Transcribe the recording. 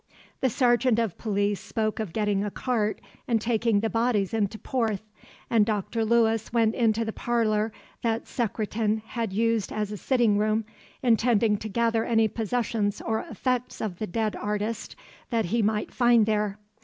The sergeant of police spoke of getting a cart and taking the bodies into Porth, and Dr. Lewis went into the parlor that Secretan had used as a sitting room, intending to gather any possessions or effects of the dead artist that he might find there.